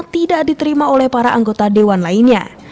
tidak diterima oleh para anggota dewan lainnya